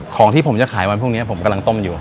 ของที่ผมจะขายวันพรุ่งนี้ผมกำลังต้มอยู่